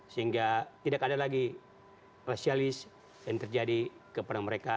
sehingga tidak ada lagi rasialis yang terjadi kepada mereka